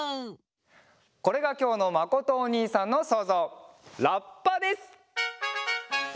これがきょうのまことおにいさんのそうぞう「ラッパ」です！